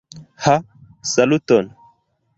Ha, saluton!